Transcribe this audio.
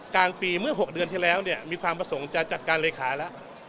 กลางปีเมื่อ๖เดือนที่แล้วเนี่ยมีความประสงค์จะจัดการเลขาแล้ว